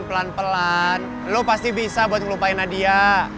pelan pelan lo pasti bisa buat ngelupain hadiah